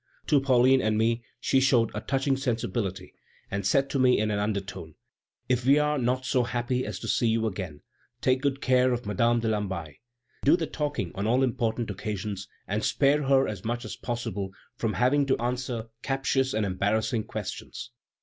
To Pauline and me she showed a touching sensibility, and said to me in an undertone: 'If we are not so happy as to see you again, take good care of Madame de Lamballe. Do the talking on all important occasions, and spare her as much as possible from having to answer captious and embarrassing questions.'"